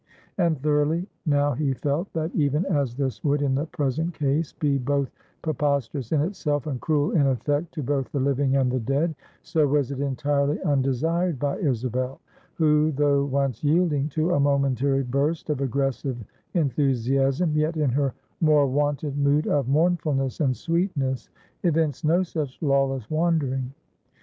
And thoroughly now he felt, that even as this would in the present case be both preposterous in itself and cruel in effect to both the living and the dead, so was it entirely undesired by Isabel, who though once yielding to a momentary burst of aggressive enthusiasm, yet in her more wonted mood of mournfulness and sweetness, evinced no such lawless wandering.